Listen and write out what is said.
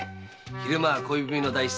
昼間は恋文の代筆。